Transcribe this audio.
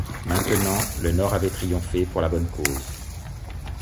Maintenant, le nord avait triomphé pour la bonne cause.